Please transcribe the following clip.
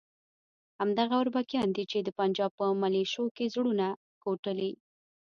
همدغه اربکیان دي چې د پنجاب په ملیشو کې زړونه کوټلي.